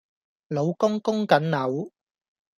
老公供緊樓